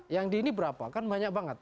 yang di ini berapa kan banyak banget